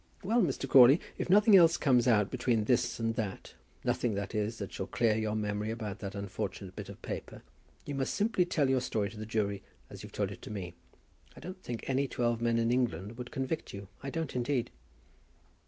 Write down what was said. Well, Mr. Crawley, if nothing else comes out between this and that, nothing, that is, that shall clear your memory about that unfortunate bit of paper, you must simply tell your story to the jury as you've told it to me. I don't think any twelve men in England would convict you; I don't indeed."